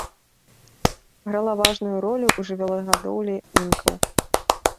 Грала важную ролю ў жывёлагадоўлі інкаў.